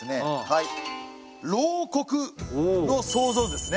はい漏刻の想像図ですね。